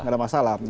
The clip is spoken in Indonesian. nggak ada masalah